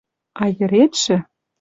А йӹретшӹ